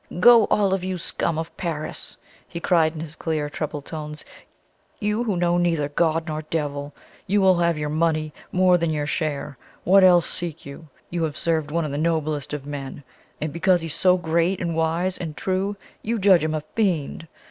"Go, all of you, scum of Paris!" he cried in his clear treble tones "you who know neither God nor devil! You will have your money more than your share what else seek you? You have served one of the noblest of men; and because he is so great and wise and true, you judge him a fiend!